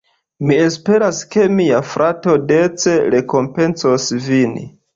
Mi esperas, ke mia frato dece rekompencos vin.